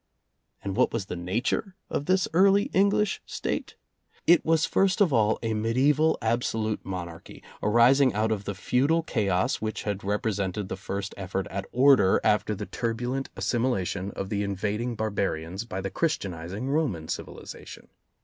And what was the nature of this early English State 4 ? It was first of all a mediaeval absolute monarchy, arising out of the feudal chaos, which had represented the first effort at order after the turbulent assimilation of the invading barbarians by the Christianizing Roman civilization.